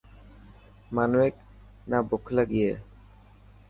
مانوڪ نا بک لڳي هي.